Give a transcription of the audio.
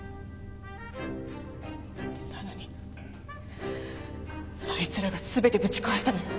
なのにあいつらが全てぶち壊したのよ。